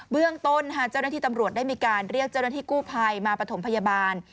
เรื่องต้นเจ้าหน้าที่ตำรวจได้มีการเรียกเจ้าหน้าที่กู้ภัยมาปฐมพยาบาล